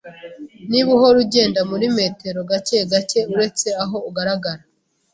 Niba uhora ugenda muri metero, gake gake uretse aho uhagarara.